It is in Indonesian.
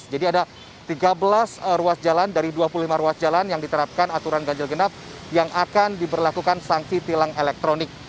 jadi ada tiga belas ruas jalan dari dua puluh lima ruas jalan yang diterapkan aturan ganjil genap yang akan diberlakukan sanksi tilang elektronik